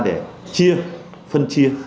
để chia phân chia